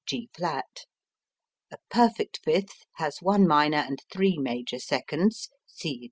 C G[flat]. A perfect fifth has one minor and three major seconds.